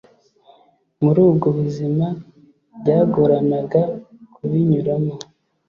Muri ubwo buzima byagoranaga kubinyuramo